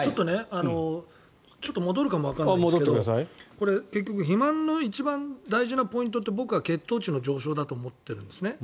ちょっと戻るかもわからないけどこれ、結局肥満の一番大事なポイントって僕は血糖値の上昇だと思っているんですね。